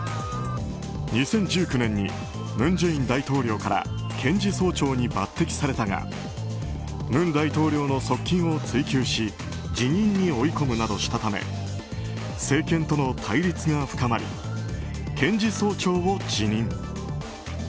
２０１９年に文在寅大統領から検事総長に抜擢されたが文大統領の側近を追及し辞任に追い込むなどしたため政権との対立が深まり検事総長を辞任。